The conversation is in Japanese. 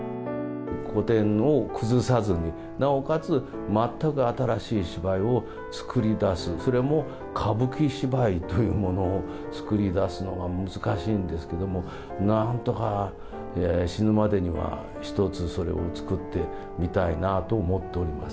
古典を崩さずに、なおかつ、全く新しい芝居を作り出す、それも、歌舞伎芝居というものを作り出すのが、難しいんですけども、なんとか死ぬまでには１つそれを作ってみたいなと思っております。